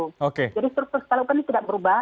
jadi struktur skala upah ini tidak berubah